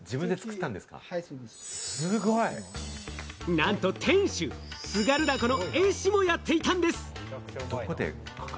なんと店主、津軽凧の絵師もやっていたんです。